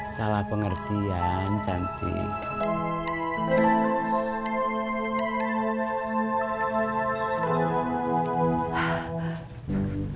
salah pengertian cantik